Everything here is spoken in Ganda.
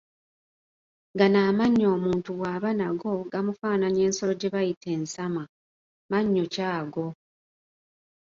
"Gano amannyo omuntu bw’aba nago gamufaananya ensolo gye bayita ensama, Mannyo ki ago?"